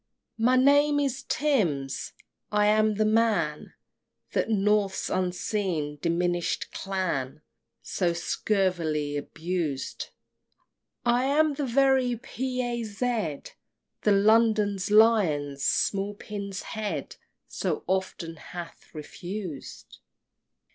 XXV. My name is Tims. I am the man That North's unseen diminish'd clan So scurvily abused! I am the very P. A. Z. The London's Lion's small pin's head So often hath refused!